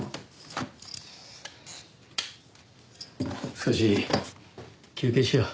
少し休憩しよう。